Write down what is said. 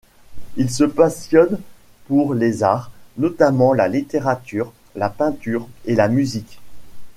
Il se passionne pour les arts, notamment la littérature, la peinture, et la musique.